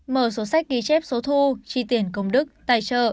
mở số sách ghi chép số thu chi tiền công đức tài trợ